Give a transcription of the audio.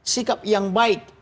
sikap yang baik